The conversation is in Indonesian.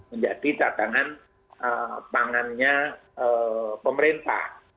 menjadi cadangan pangannya pemerintah